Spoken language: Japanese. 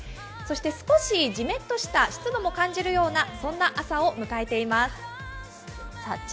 少しじめっとした湿度も感じるような朝を迎えています。